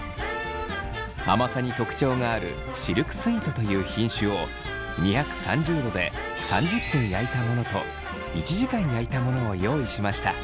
甘さに特徴があるシルクスイートという品種を２３０度で３０分焼いたものと１時間焼いたものを用意しました。